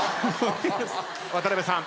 渡辺さん